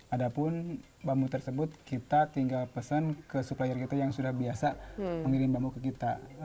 ada pun bambu tersebut kita tinggal pesan ke supplier kita yang sudah biasa mengirim bambu ke kita